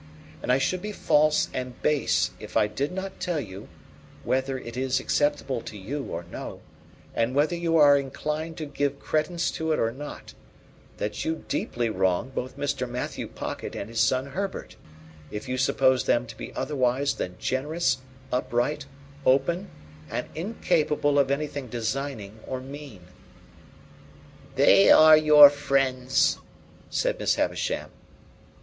And I should be false and base if I did not tell you, whether it is acceptable to you or no, and whether you are inclined to give credence to it or no, that you deeply wrong both Mr. Matthew Pocket and his son Herbert, if you suppose them to be otherwise than generous, upright, open, and incapable of anything designing or mean." "They are your friends," said Miss Havisham.